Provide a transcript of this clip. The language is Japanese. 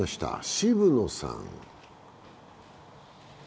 渋野さん。